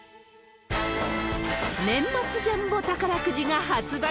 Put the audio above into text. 年末ジャンボ宝くじが発売。